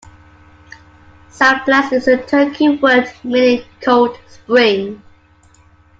Sablax is a Turkic word meaning cold spring.